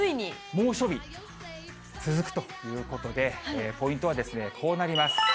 猛暑日、続くということで、ポイントはこうなります。